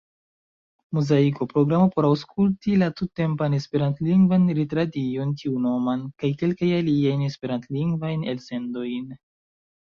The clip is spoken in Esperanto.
Muzaiko, programo por aŭskulti la tuttempan Esperantlingvan retradion tiunoman, kaj kelkajn aliajn Esperantlingvajn elsendojn.